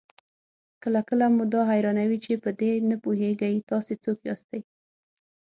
کله کله مو دا حيرانوي چې په دې نه پوهېږئ تاسې څوک ياستئ؟